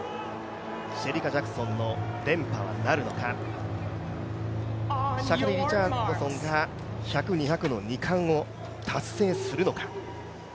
シェリカ・ジャクソンの連覇はなるのか、シャカリ・リチャードソンが１００、２００の２冠を達成するのか。